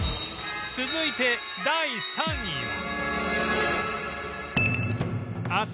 続いて第３位は